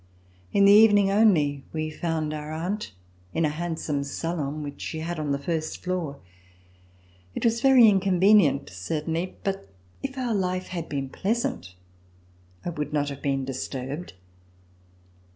In the evening only, we found our aunt in a handsome salon which she had on the first floor. It was very inconvenient certainly, but, if our life had been pleasant, I would not have been disturbed.